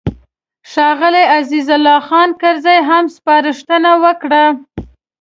ښاغلي عزیز الله خان کرزي هم سپارښتنه وکړه.